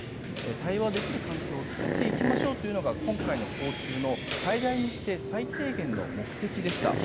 対話できる環境を作っていきましょうというのが今回の訪中の最大にして最低限の目的でした。